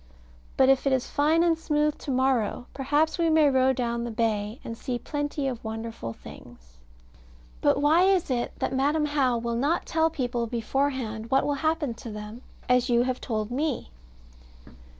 But if it is fine and smooth to morrow, perhaps we may row down the bay, and see plenty of wonderful things. But why is it that Madam How will not tell people beforehand what will happen to them, as you have told me?